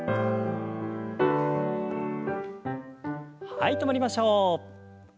はい止まりましょう。